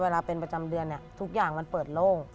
เวลาเป็นประจำเดือนทุกอย่างมันเปิดโล่ง